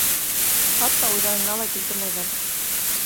Хатта уйҙарына ла килтермәйҙәр.